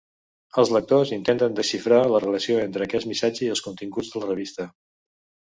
Els lectors intenten desxifrar la relació entre aquest missatge i els continguts de la revista.